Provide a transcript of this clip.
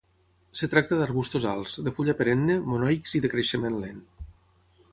Es tracta de arbustos alts, de fulla perenne, monoics i de creixement lent.